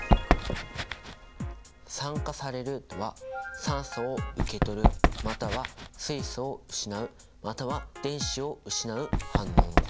酸化されるとは酸素を受け取るまたは水素を失うまたは電子を失う反応のこと。